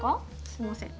すいません。